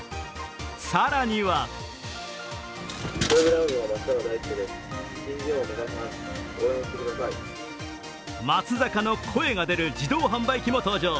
更には松坂の声が出る自動販売機も登場。